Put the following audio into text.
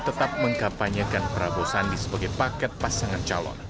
tetap mengkampanyekan prabowo sandi sebagai paket pasangan calon